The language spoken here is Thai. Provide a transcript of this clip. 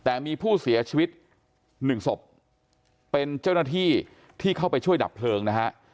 แต่มีผู้เสียชีวิตหนึ่งศพเป็นเจ้าหน้าที่ที่เข้าไปช่วยดับเพลิงนะฮะ